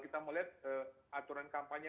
kita melihat aturan kampanye